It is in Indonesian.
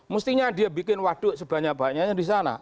mestinya dia bikin waduk sebanyak banyaknya di sana